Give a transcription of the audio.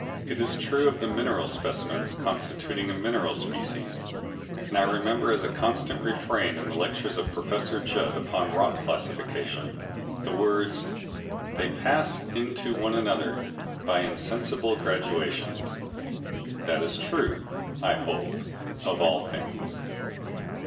It is true of the mineral specimens constituting a mineral species, and I remember as a constant refrain in the lectures of Prof. Judd upon rock classification, the words "they pass into one another by insensible gradations." That is true, I hold, of all things.